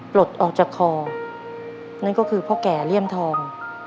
ปลดออกจากคอนั่นก็คือพ่อแก่เลี่ยมทอง